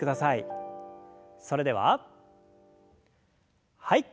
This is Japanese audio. それでははい。